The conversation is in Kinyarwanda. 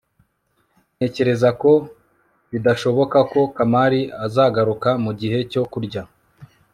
ntekereza ko bidashoboka ko kamali azagaruka mugihe cyo kurya